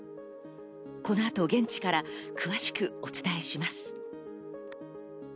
この後、現地から詳しくお伝えします。